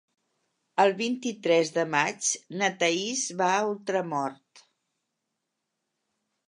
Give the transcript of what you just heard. El vint-i-tres de maig na Thaís va a Ultramort.